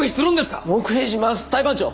裁判長。